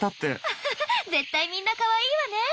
アハハ絶対みんなかわいいわね。